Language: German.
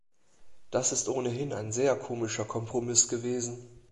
Das ist ohnehin ein sehr komischer Kompromiss gewesen.